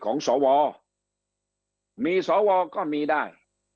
ของสวมีสวก็มีได้